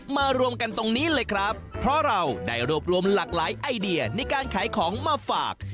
มารวมกันตรงนี้เลยครับเพราะเราได้รวบรวมหลากหลายไอเดียในการขายของมาฝาก